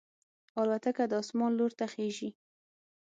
الوتکه د اسمان لور ته خېژي.